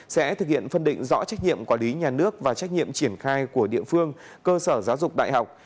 sẽ thực hiện phân định rõ trách nhiệm quản lý nhà nước và trách nhiệm triển khai của địa phương cơ sở giáo dục đại học